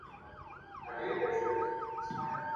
سياسي هڅي په يوه ځانګړې ساحه کي نه محدودېږي.